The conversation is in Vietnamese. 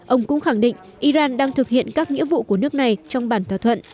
ông cũng khẳng định iran đang thực hiện các nghĩa vụ của nước này trong bản thỏa thuận